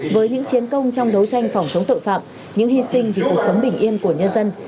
với những chiến công trong đấu tranh phòng chống tội phạm những hy sinh vì cuộc sống bình yên của nhân dân